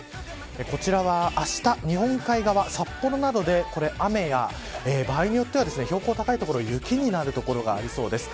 こちらは、あした日本海側札幌などで雨や場合によっては、標高高い所雪になる所がありそうです。